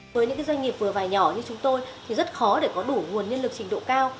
với những doanh nghiệp vừa và nhỏ như chúng tôi thì rất khó để có đủ nguồn nhân lực trình độ cao